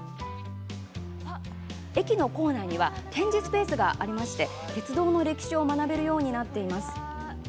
駅の構内には展示スペースがあり鉄道の歴史を学べるようになっています。